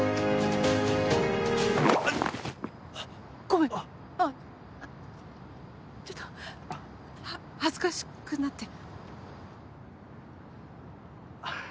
ごめん、ちょっと恥ずかしくなって。